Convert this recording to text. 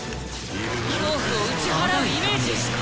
恐怖を打ち払うイメージ！